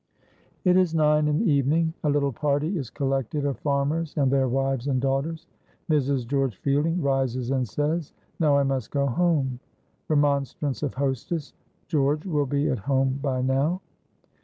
It is nine in the evening. A little party is collected of farmers and their wives and daughters. Mrs. George Fielding rises and says, "Now I must go home." Remonstrance of hostess. "George will be at home by now."